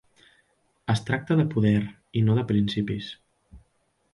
Es tracta de poder i no de principis.